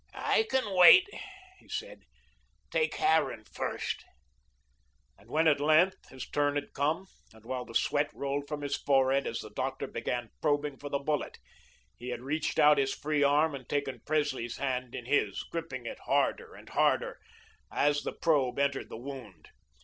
"I can wait," he said. "Take Harran first." And when at length, his turn had come, and while the sweat rolled from his forehead as the doctor began probing for the bullet, he had reached out his free arm and taken Presley's hand in his, gripping it harder and harder, as the probe entered the wound.